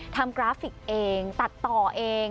กราฟิกเองตัดต่อเอง